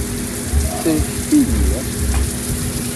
Sellket-iyi!